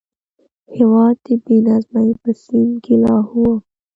هېواد د بې نظمۍ په سین کې لاهو و.